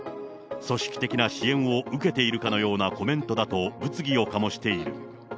組織的な支援を受けているかのようなコメントだと物議を醸している。